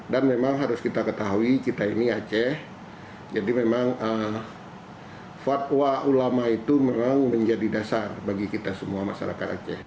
dan memang harus kita ketahui kita ini aceh jadi memang fatwa ulama itu memang menjadi dasar bagi kita semua masyarakat aceh